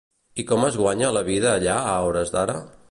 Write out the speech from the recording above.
I com es guanya la vida allà a hores d'ara?